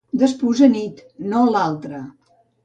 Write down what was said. Despús-anit no l'altra.